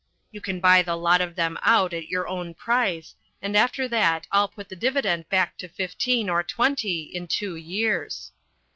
You can buy the lot of them out at your own price, and after that I'll put the dividend back to fifteen, or twenty, in two years."